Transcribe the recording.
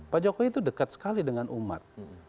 pak jokowi itu dekat sekali dengan umat